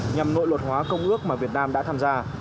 nhằm nội luật hóa công ước mà việt nam đã tham gia